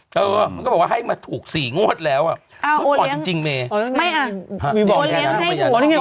ครับมันก็บอกให้มาถูกสี่โงดแล้วอ่ะอ่อมันเป็นจริงบ่จังเมย์โอเลี้ยงให้ด้วย